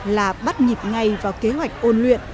là bắt nhịp ngay vào kế hoạch ôn luyện